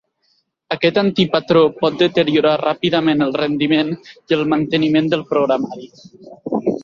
Aquest antipatró pot deteriorar ràpidament el rendiment i el manteniment del programari.